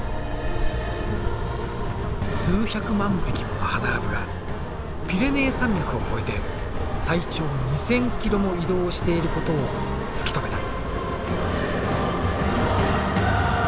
数百万匹ものハナアブがピレネー山脈を越えて最長２，０００ｋｍも移動をしていることを突き止めた。